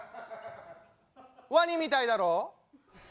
ワニみたいだろう。